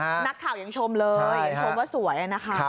นักข่าวยังชมเลยยังชมว่าสวยนะคะ